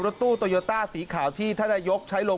ปลูกมะพร้าน้ำหอมไว้๑๐ต้น